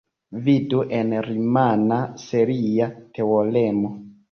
Vidu en "rimana seria teoremo".